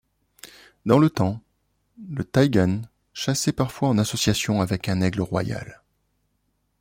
Dans le temps, le taïgan chassait parfois en association avec un Aigle royal.